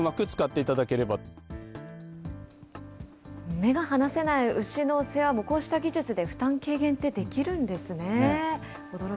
目が離せない牛の世話も、こうした技術で負担軽減ってできるんですね。